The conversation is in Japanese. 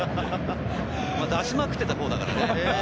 出しまくっていたほうだからね。